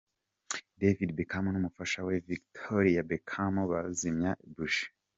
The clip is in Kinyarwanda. David Beckham n'umufashawe Victoria Beckham bazimya buji.